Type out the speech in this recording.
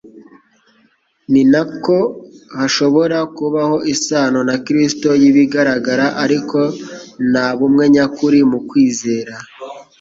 Ni nako hashobora kubaho isano na Kristo y'ibigaragara ariko nta bumwe nyakuri mu kwizera.